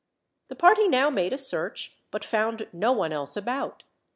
The party now made a search, but found no one else about.